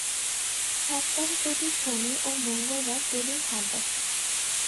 সপ্তাহে প্রতি শনি ও মঙ্গলবার দুদিন হাট বসে।